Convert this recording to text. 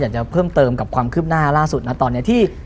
จะเพิ่มเติมกับความคืบหน้าล่าสุดนะตอนนี้ที่